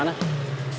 kamu dari mana